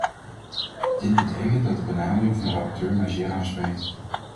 Dit betekent dat de benadering van de rapporteur mij zeer aanspreekt.